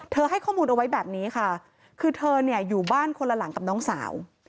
ให้ข้อมูลเอาไว้แบบนี้ค่ะคือเธอเนี่ยอยู่บ้านคนละหลังกับน้องสาว